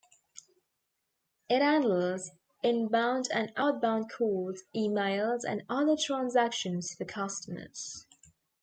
It handles inbound and outbound calls, emails and other transactions for customers.